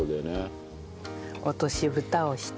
落とし蓋をして。